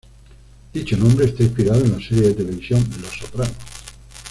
Dicho nombre está inspirado en la serie de televisión "Los Soprano".